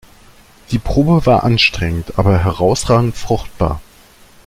Die Probe war anstrengend, aber herausragend fruchtbar.